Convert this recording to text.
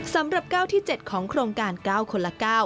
สำหรับ๙ที่๗ของโครงการ๙คนละ๙